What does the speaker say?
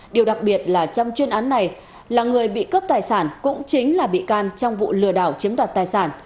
điều đặc biệt là trong chuyên án này là người bị cướp tài sản cũng chính là bị can trong vụ lừa đảo chiếm đoạt tài sản